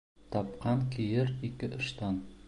Тапҡан кейер ике ыштан